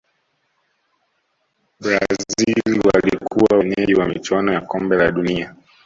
brazil walikuwa wenyeji wa michuano ya kombe la dunia